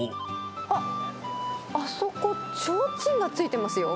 あっ、あそこ、ちょうちんがついてますよ。